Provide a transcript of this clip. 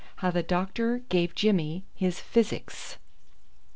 HOW THE DOCTOR GAVE JIMMY HIS PHYSICS.